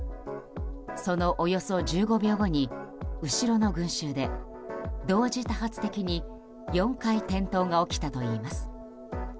そのおよそ１５秒後に後ろの群衆で同時多発的に４回転倒が起きたといいます。